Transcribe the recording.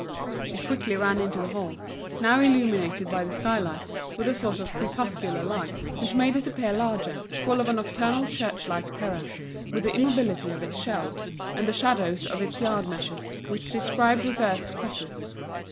She quickly ran into the hall, now illuminated by the skylight, with a sort of crepuscular light which made it appear larger, full of a nocturnal church like terror, with the immobility of its shelves, and the shadows of its yard measures which described reversed crosses.